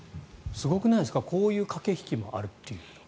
すごくないですかこういう駆け引きもあるという。